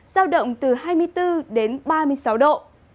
giao động từ hai mươi bốn đến ba mươi sáu độ